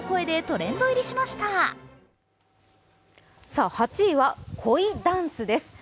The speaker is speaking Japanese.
さあ、８位は鯉ダンスです。